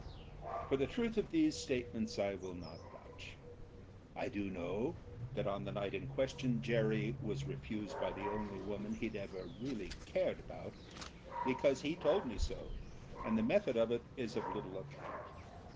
For the truth of these statements I will not vouch. I do know that on the night in question Jerry was re fused by the only woman he'd ever really cared about, because he told me so, and the method of it is of little account.